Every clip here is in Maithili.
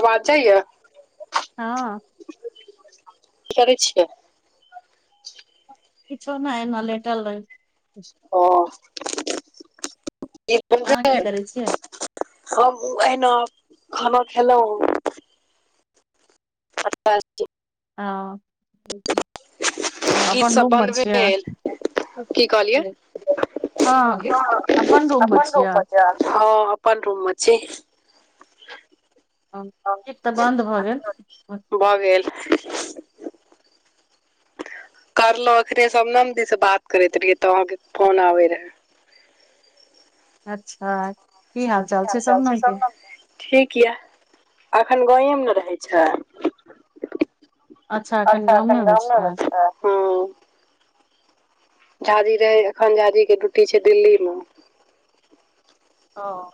आवाज जाइ य हँ करै छियै किछो नहि अहिना लेटल रही [inaudible] अहाँ की करै छियै हम अहिना खाना खेलहुँ [inaudible] हँ ओ अपन गीतसभ रूम मे बन्द छियै भेल की कहलियै हँ रूम मे अपन छियै [unintelligible] हँ अपन रूममे छी हँ ठीक तऽ बन्द भऽ गेल भऽ गेल करलो अखने सबनम दी से बात करैत रहियै तऽ अहाँके फोन आबे रहे अच्छा की हाल चाल छै सबनम केँ ठीक य एखैन गावए मे नऽ रहै छै अचछा एखन गामे मऽ छै झाजी रहै एखन झाजी केँ ड्यूटी छै दिल्ली मऽ हँ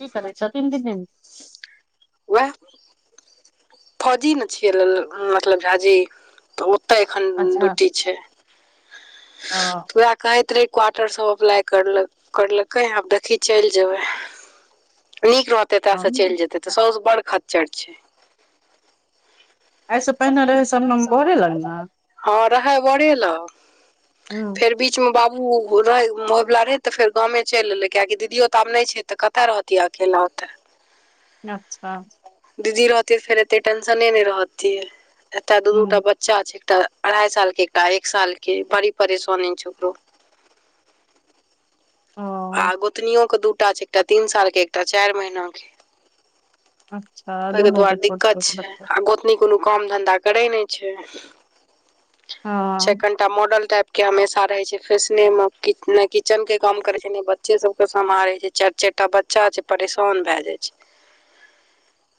की कैर छथिन [unintelligible] वैह फौजी मे छियै मतलब झाजी तऽ ओते एखन ड्यूटी छै अ वएह कहैत रहै क्वार्टर सब अप्लाइ करलक करलकै‌ हंँ आब देखही चलि जेबै नीक रहतै एतऽ ओ सँ चलि जेतै तऽ साउस बड़ खच्चर छै एहिसँ पहिने रहै सबनम बोरे लग नऽ हँ रहै बड़े लग हूँ फेर बीचमे बाबू रहै होइवला रहै तऽ फेर गामे चलि एलै कियकि दीदियो तऽ आब नहि छै तऽ कतय रहत तिये अकेला ओतऽ अच्छा दीदी रहतै फेर एते टेंशने नै रहतियै एतय दू दू टा हूँ बच चा छै एकटा अढ़ाई साल केँ एकटा एक साल केँ बड़ी परेशानी छै ओकरो ओ आ गोतनीयो केँ दूटा छै एकटा तीन साल केँ एकटा चारि महिना केँ अच्छा ओहि केँ दुनू के दुआरे छोट छोट दिक्कत छै बच्चा आ गोतनी कोनो काम धन्धा करै नहि छै हँ ओ तऽ मॉडल टाइप केँ हमेशा रहे छै फैशने मऽ नै किचन केँ काम करे नइ बच्चे सब केँ सम्हारे छै चारि चार टा बच्चा छै परेशान भय जाय छै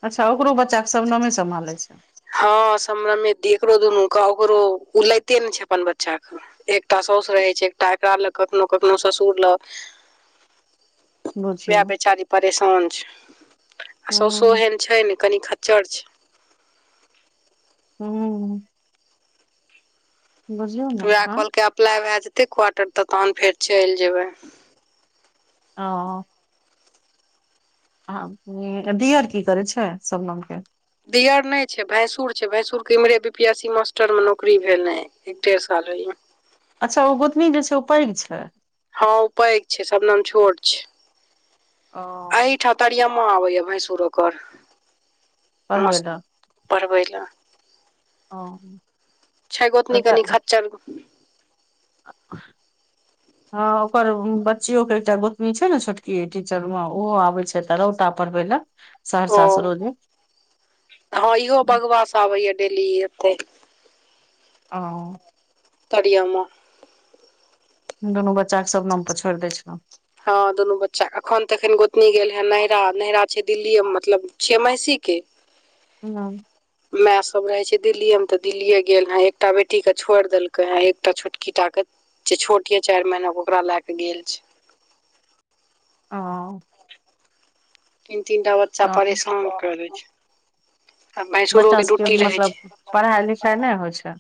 अच्छा ओकरो बच्चाे सबनमे सम्हारै छै हँ समनमे एकरो दुनू केँ ओकरो उ लैते नै छै अपन बच्चा कऽ एकटा साउसु रहे छै एकटा एकरा लग कखनो कखनो ससुर लग बुझियौ वएह ने। बेचारी परेशान छै आ साउसो हूँ एहन छै ने कनि ख चर्च हू ने तऽ उएह आँ कहलकै अप्लाइ भऽ जेतै क्वार्टर तऽ तहन फेर चइल जेबै ओ ह दियोर की करै छै सबनम के दियर नय छै भैंसुर छै भैंसुरके इम्हरे बी पी एस सी मास्टरमे नौकरी भेलै एक डेढ़ साल होए अच्छा ओ गोतनी जे छै ओ पैघ छै हँ पैघ छै सबनम छोट छै ओ एहिठाम तरियमा आबे या भैंसुर आ ओकर मास परबेल पढ़बै लए ओ छै गोतनी कनि खच्चर [inaudible] ह ओकर बच्चियो के एकटा गोतनी छै ने छोटकी टीचर मे ओहो आबे छै से त रौ त पर पै ल ओ सहरसा सुरो जे हँ इहो बगवास आबै या डेली एते ओ तड़ियाम दुनू बच्चा के सबनम पर छोइड़ दै छलहुँ हँ दुनू बच्चा एखन तऽ एखन गोतनी गेल हे नैहरा नैहरा छै दिल्लीए मतलब छिये मौसी के हँ माय सब रहे छै दिल्ली मे ते दिल्लीे गेल हे एकटा बेटी के छोड़ देल एकटा छोटकी टा के जे छोट ये चारि महीना के ओकरा लय के गेल छै ओ तीन तीन टा बच्चा परेशान कर दै छै आ बच्चा भैंसुरोके सबके ड्यूटी रहै मतलब छै पढ़ाइ लिखाइ नय होइ छै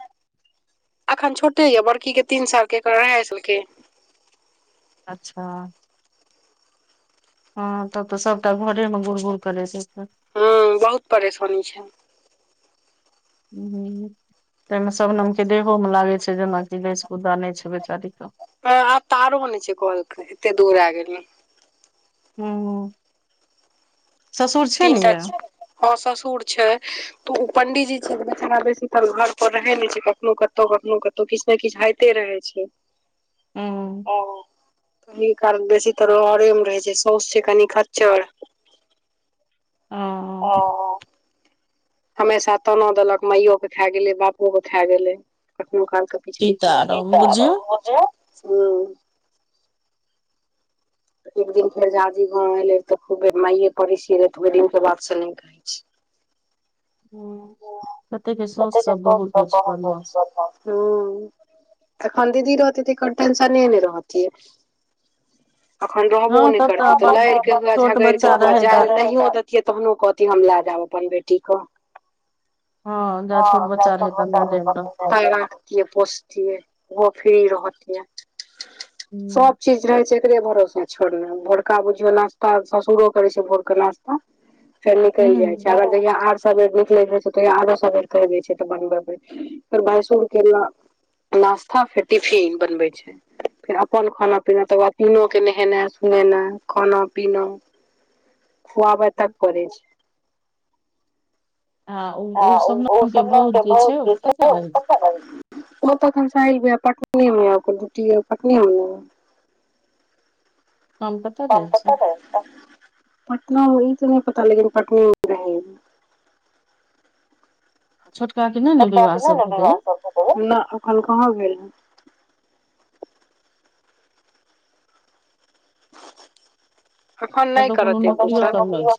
अखन छोटे यऽ बड़की के तीन साल के अढ़ाइ साल के अच्छा हँ तब तऽ सबटा घरे मे गुुर गुुर करै छै तऽ हँ बहुत परेशानी छै तहिमे सबनमके देहोमे लागै छै जेनाकि माँस गुदा नय छै बेचारीे आब तऽ आरो नय छै कहल एते दूर आ गेल हू तीनटा यै हँ ससुर छै तऽ ओ पंडीजी छैरा बेसी तर घर पर रहै नय छै कखनो कतहु कखनो कतहु तऽ किछ ने किछ होइते रहै छै ह ओ क कारण बेसी त नहिरे मे रहे छै साउस छै कनि खच्चर ह हमेशा तना देलक माइयो के खा गेले बापओ के खा गेले कखनो कालके किछ किछ सीताराम बुझियौ ह एक दिन फेर झाजी गाँव एलै तऽ खूब मइे पड़ छी रहे त ओइ दिन के बाद सन [unintelligible] कहय हूँ कते के साउस सब बहुत पड़य छै होइ बदमाश ह एखन दीदी रहत तऽर टेंशने नय रहती अखन रहबो हँ नय तब करते तऽ अपन लड़ के हुए छोट झगड़ि बच्चा के हुए रहै तऽ जायल नहियो देे तहनो कहती हम लए जयब अपन बेटीे हँ जा छोट बच्चा रहै तऽ नहि रहै ह रखतिये पोस्तिए ओहो फ्री रहत सब हूँ चीज रहे छै एकरे भरोसा छोड़ु ने भोरका बुझियो नास्ता ससुरो करै छै भोरक नास्ता फेर निकइल जाइ छै हूँ अगर जै या आर सबेर निकलैत रह छै तहि आरो सबेर कहि दय छै त बनबे मे फेर भैसूर के ना नास्ता फेर टिफिन बनबय छै फेर अपन खाना पीना तकर बाद तीनो के नहेना सुनेना खाना पीना खुआबै तक करै छै आ ओ आ ओ सबनम सब भौज के बहुत ओ जे कतऽ छै रहै प [unintelligible] ओ तनसहिल भी ह पटनी मे डूटी पटनीमे नय गाम कतऽ क रहै पता छै रह पटना ई तऽ नय पता लेकिन पटने मे रह छोटका कि नय छोटका के नय ने विवाह सब भेलय नाह एखन कहा भेल है अखन नय कतहु कोनो करत एक दु नौकरियो साल सब नहि छै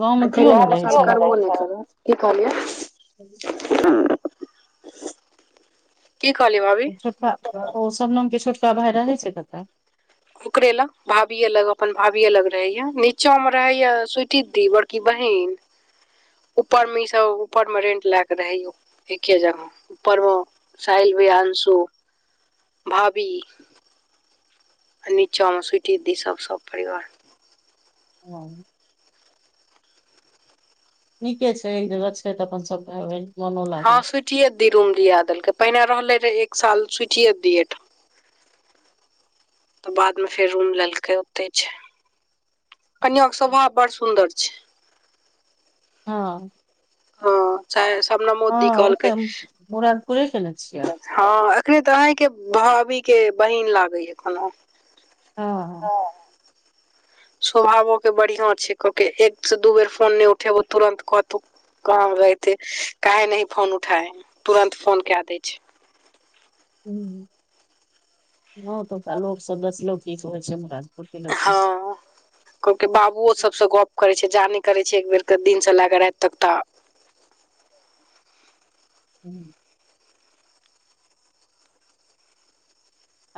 गाँव मे अ केओ नहि रहै सरकार छै बोलत [unintelligible] की कहलियै हूं की कहलीय भाभी ओ शबनम के छोटका भाय रहै छै कतऽ ओकरे लग भाभी यऽ लग अपन भाभी अ लग रहे या नीचा में रहे या स्वीटि देवर की बहिन [inaudible] ऊपर मे ई सब ऊपर मे रेंट लय के रहे एके जगह ऊपर मे साहिल भाईया अंशु भाभी आ नीचा में स्वीटी दी सब सब परिवार हँ नीके छै एक जगह छै तऽ अपन सबै हँ सुटिये ये दी रूम दिया देलकै पहिने रहले रहे एक साल सुटिये दियठ तऽ बादमे फेर रूम लेलकै ओतय छै कनिया के स्वभाव बड़ सुंदर छै हाँ हँ चाहे सबनमो दी कहलकै पुरा थोड़े खेने छियै हँ एखने तऽ अहींके भाभी के बहिन लागैया कोनो हँ हाँ स्वभावो के बढ़िआं छै क के एक से दू बेर फोन नय उठेबौ तुरन्त कहतौ कहाँ रते काहे न फोन उठाय ह तुरंत फोन क दै छै हाँ तऽ लोक सब दलो की कह होइ छै हमरा हँ कहले के बाबुओ सबसँ गप करय छै जाने करे छै एक बेर के दिन से लए क राइत तक तऽ हूँ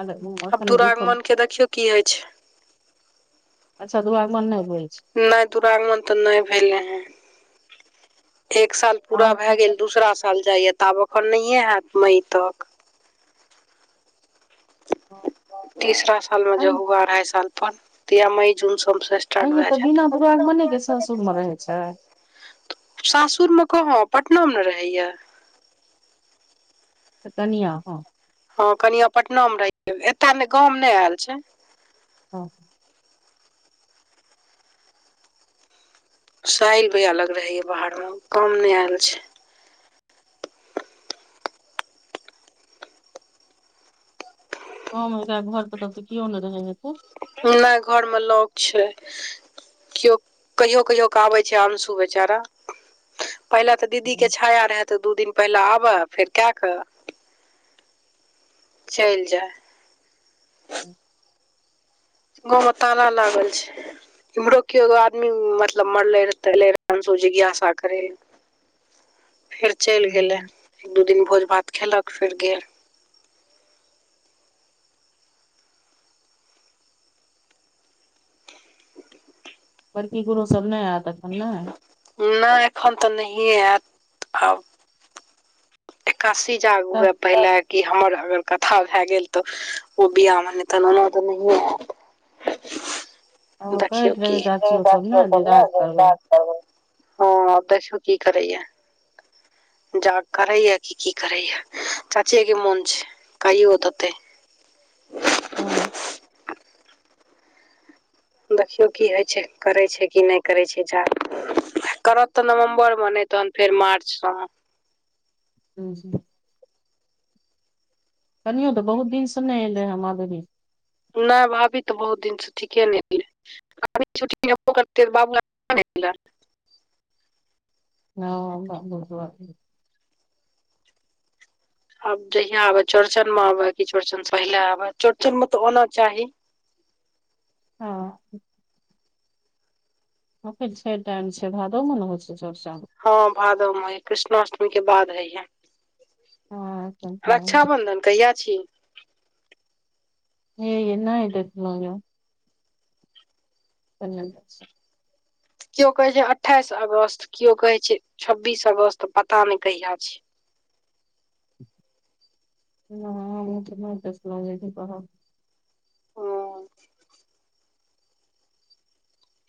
अग आब मुखन बू दुरागमन के देखियौ की होइ छै अच्छा दुरागमन नय होइ छै नइ दुरागमन तऽ नइ भेले हैं एक साल पूरा आब भए गेल दूसरा साल जाइए तऽ आब एखन नहिए है यत मई‌तक हाँ तीसरा साल मे जै हुआ अढ़ाई साल पर त ऽ या मई जून सॅं तऽ बिना दुरागमने के सासुर मे रहै [unintelligible] छै सासुर मे कहाँ पटना मे रहैया त तनिय हँ हँ कनिया पटना मे रहि ए ने गाँव नय एल छै हँ साइल भेया लग रहैए बाहर मे काम नय एल छै गाव मे एकरा घर पर तऽ केउ नइ रहै हेते नई घर मे लोक छै कियो कहियो कहियो क आबै छै आंशू बेचारा पहिल तऽ दीदी के छाया रेहा तऽ दू दिन पहिले आबए फेर कए कऽ चइल जाइ हं गाँव में ताला लागल छै इम्हरो के एगो आदमी मतलब मरले रह तले रहंस जिज्ञासा करे फेर चइल गेलै एक दू दिन भोज भात खेलक फेर गेल बड़की गुरो सब नय एत अखन ने नय एखन तऽ नहिए एत आब काशी त जागूए पहिले कि हमर अगर कथा भए गेल तऽ ओ बिआ मे नय तऽ ओना तऽ नहिए ऐब [inaudible] दाखियो कहैत कि रहे चाचियो सब ने जे राज करबै [unintelligible] हँ देखियों की करैए जाग करैए कि की करैए चाचे के मोन छै कहियो देते हँ देखियौ की होइ छै करै छै कि नय करै छै जा करत तऽ नवम्बर मे नय तहन फेर मार्च मे हू जी कनियो तऽ बहुत दिन से नय एलै है माधुरी नय भाभी तऽ बहुत दिन से ठीके ने एलै छुटी करत हँ बहुत आब जहिया आबे चौड़चन मे आबे की चौड़चन पहिले आबे ह चौड़चन में तऽ आना चाही हँ ओ छै टाम छै भादो मन हो छै चोर्चन हँ भादो मे होया कृष्णाष्टमीक के बाद हइय हँ एखन टाइम छै रक्षाबन्धन कहिया छी हे नाई देखलो है [unintelligible] किओ कहे छै अठाईस अगस्त केओ कहे छै छब्बीस अगस्त पता नय कहिया छै नई अभी त नहि देखलो लेकिन कहाब हैं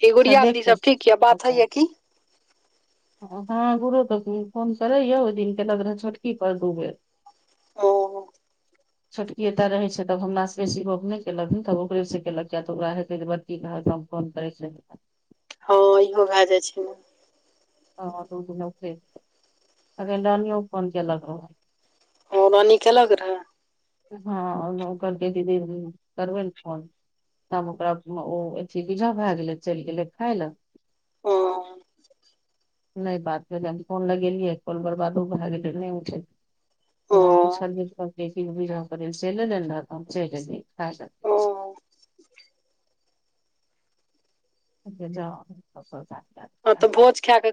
ऐ अच्छा गुड़िया देख दीदी सब कऽ ठीक य बात होइय बतायब। की हँ गुरु तऽ फोन करैयौ ओहि दिन केलक रहा छोटकी पर दू बेर ओ छोटकी एते रहै छै तब हमरा से बेसी औ अपने केलक नय केलक तब ओकरे से केलक किया तऽ ओकरा हेतै बड़की कह फ़ोन करै छै हँ इहो भए जाइ छै ने हँ दू दिन औकरे अरे रानीअ फोन केलक रहा ओ रानी केलक रहऽ हँ ओ करके ददी करबे ने फोन तब ओकरा ओ अथी बिहा भए गेलै चइल गेलै खाय लए हो नय बात भेले हम फोन लगेलियै कॉल बर्बादो भए गेलै नय उठ ओ फेरछदे [unintelligible] ओ आ जा हँ तऽ भोज खाय क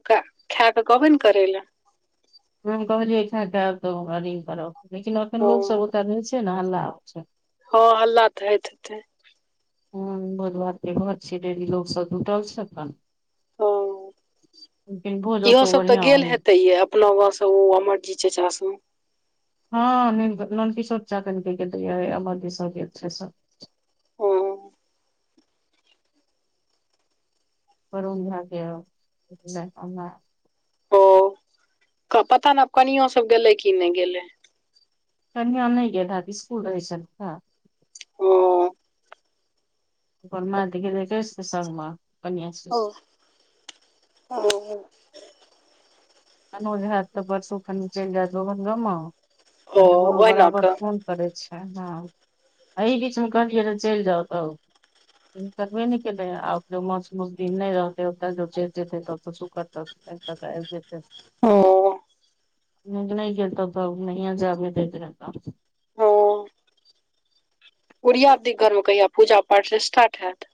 खाय क कहबे ने करै लए हम कहलियै इठ आब त ही करब लेकिन अखन हँ लोक सब ओत रहै छै ने हल्ला हँ हल्ला त होेइत हेतै ह भोज भात के घर छिये डेली लोग सब जुटल छै अपन ह लेकिन भोज इहो ओतौ सब त बढ़िया गेल होय हेतै ये अपना ओ अमर जी चास हँ नंन किशोर चाचा कन के गेलेय अमर जी सब गेल छै सब हँ करन झाक ओ पता नय कनियो सब गेलै कि नय गेलै कनीया नय गेल हेत स्कूल रहैलकिन हैत ओ अपन मथ गेल कहैस त संगमे कनिया से। ओ ह अनज होइत तऽ परसू खन चइल जाइत ग गुरु ओहिना बराबर कऽ सु [unintelligible] करै छै हँ बीचमे कहलियै त चइल जाउ तब करबे निकलेै आब जो मौसस दिन नय रहते ओत जो चे जेते त सु करत त [unintelligible] कब जे छै हँ न नय गेल तब त नहिये जाबे देत रहतो उरिया दि घरमे कहिया पूजा पाठ से स्टार्ट हयैत